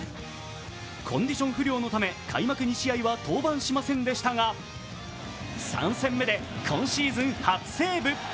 コンディション不良のため開幕２試合は登板しませんでしたが３戦目で今シーズン初セーブ。